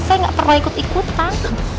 saya nggak pernah ikut ikutan